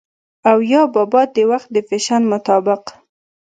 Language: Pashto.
او يا بابا د وخت د فېشن مطابق